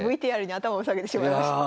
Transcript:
ＶＴＲに頭を下げてしまいました。